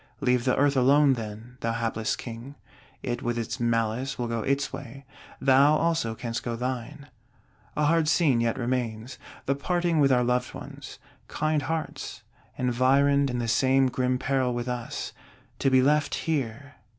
Leave the Earth alone, then, thou hapless King; it with its malice will go its way, thou also canst go thine. A hard scene yet remains: the parting with our loved ones. Kind hearts, environed in the same grim peril with us; to be left here!